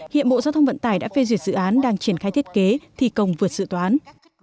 hiện bộ giao thông vận tải đã phê duyệt dự án đang triển khai thiết kế thi công vượt dự toán